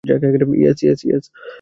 Yes, yes, yes!